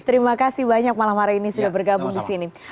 terima kasih banyak malam hari ini sudah bergabung di sini